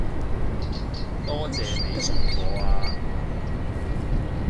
多謝你送我啊